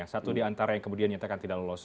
satu di antara yang kemudian dinyatakan tidak lulus